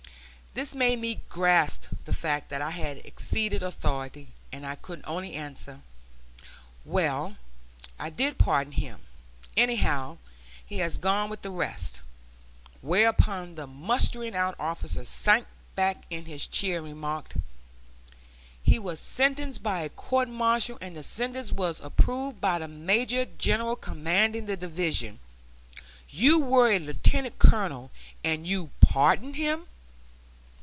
This made me grasp the fact that I had exceeded authority, and I could only answer, "Well, I did pardon him, anyhow, and he has gone with the rest"; whereupon the mustering out officer sank back in his chair and remarked, "He was sentenced by a court martial, and the sentence was approved by the major general commanding the division. You were a lieutenant colonel, and you pardoned him.